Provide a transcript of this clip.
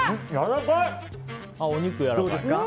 お肉、やわらかい。